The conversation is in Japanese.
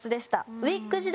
ウィッグ時代？